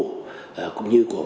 cũng như của ban chỉ đạo chính phủ